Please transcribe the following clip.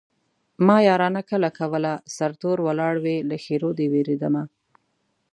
ما يارانه کله کوله سرتور ولاړ وې له ښېرو دې وېرېدمه